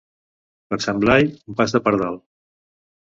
Per Sant Blai, un pas de pardal.